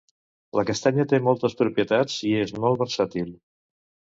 La castanya té moltes propietats i és molt versàtil.